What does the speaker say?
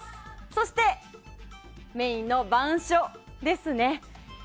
そして、メインの板書ですね。